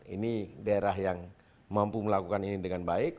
ini daerah yang mampu melakukan ini dengan baik